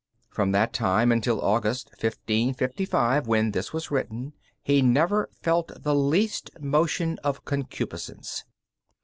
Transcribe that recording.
From that time until August, 1555, when this was written, he never felt the least motion of concupiscence.